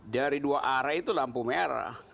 dari dua arah itu lampu merah